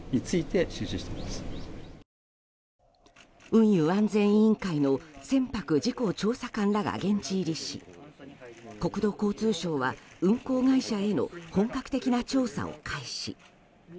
運輸安全委員会の船舶事故調査官らが現地入りし、国土交通省は運航会社への本格的な調査を開始。